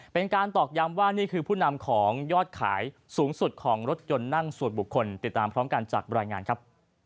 ตอกย้ำว่านี่คือผู้นำของยอดขายสูงสุดของรถยนต์นั่งส่วนบุคคลติดตามพร้อมกันจากรายงานครับ